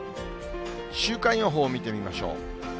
週間予報を見てみましょう。